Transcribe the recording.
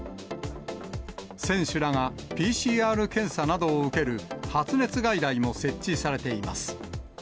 選手らがＰＣＲ検査などを受ける発熱外来も設置されています。